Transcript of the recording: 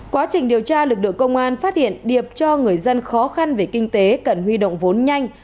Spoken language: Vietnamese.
quá trình điều tra lực lượng công an phát hiện điệp cho người dân khó khăn về kinh tế cần huy động vốn nhanh